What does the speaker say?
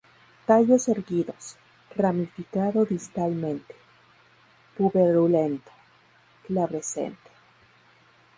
Tallos erguidos, ramificado distalmente, puberulento, glabrescente.